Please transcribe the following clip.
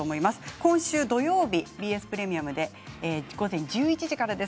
今週土曜日ＢＳプレミアムで午前１１時からです